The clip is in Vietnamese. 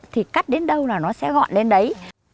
thì cắt đến đâu là nó sẽ gọn lên đấy